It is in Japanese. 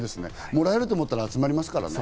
もらえると思ったら集まりますからね。